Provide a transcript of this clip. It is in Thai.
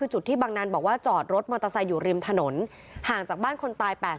จุดที่บางนั้นบอกว่าฝ่าจดรถมอเตอร์ไซอยู่ริมถนน